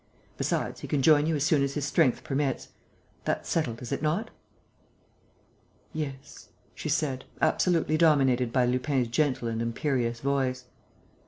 Besides, he can join you as soon as his strength permits.... That's settled, is it not?" "Yes," she said, absolutely dominated by Lupin's gentle and imperious voice.